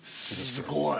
すごい！